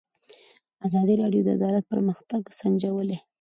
ازادي راډیو د عدالت پرمختګ سنجولی.